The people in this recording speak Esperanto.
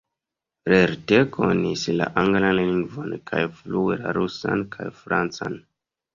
Lerte konis la anglan lingvon kaj flue la rusan kaj francan.